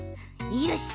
よし。